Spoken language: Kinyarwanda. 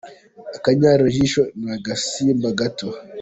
Akanyarirashijo nagasimba gato.